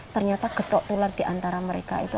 ternyata getok tular diantara mereka itu